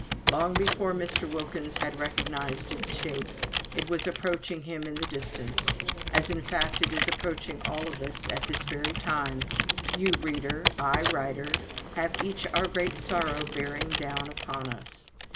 Long before Mr. Wilkins had recognised its shape, it was approaching him in the distance as, in fact, it is approaching all of us at this very time; you, reader, I, writer, have each our great sorrow bearing down upon us.